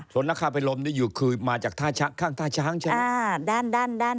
สวนนครพิโรมนี้คือมาจากข้างท่าช้างใช่ไหม